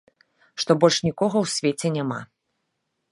Што больш нікога ў свеце няма.